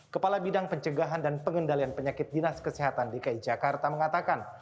kepala bidang pencegahan dan pengendalian penyakit dinas kesehatan dki jakarta mengatakan